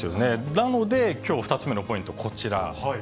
なので、きょう２つ目のポイント、こちら。